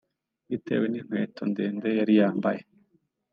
bitewe n’inkweto ndende yari yambaye